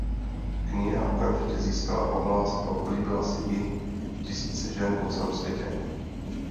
Kniha okamžitě získala ohlas a oblíbila si ji tisíce žen po celém světě.